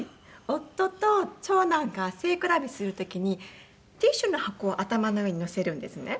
夫と長男が背比べする時にティッシュの箱を頭の上に載せるんですね。